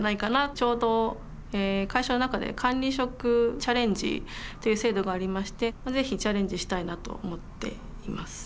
ちょうど会社の中で「管理職チャレンジ」という制度がありまして是非チャレンジしたいなと思っています。